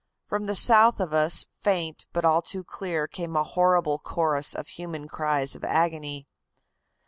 "From the south of us, faint, but all too clear, came a horrible chorus of human cries of agony.